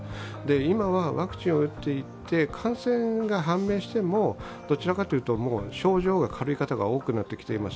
今はワクチンを打っていて、感染が判明してもどちらかというと症状が軽い方が多くなってきています。